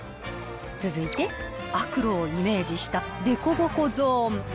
続いて、悪路をイメージした凸凹ゾーン。